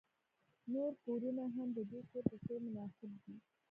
نور کورونه هم د دې کور په څیر مناسب دي